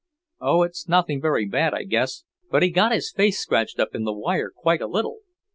"Oh, it's nothing very bad, I guess, but he got his face scratched up in the wire quite a little.